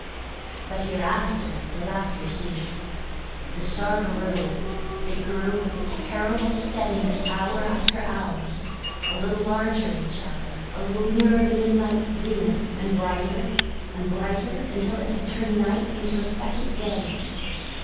But hereafter the laughter ceased. The star grew it grew with a terrible steadiness hour after hour, a little larger each hour, a little nearer the midnight zenith, and brighter and brighter, until it had turned night into a second day.